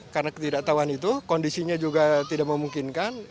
karena ketidaktahuan itu kondisinya juga tidak memungkinkan